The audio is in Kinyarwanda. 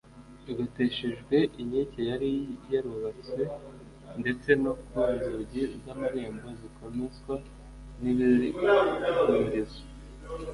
igoteshejwe inkike yari yarubatse ndetse no ku nzugi zamarembo zikomezwa nibihindizo